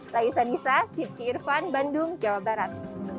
saya isan issa cirki irfan bandung jawa barat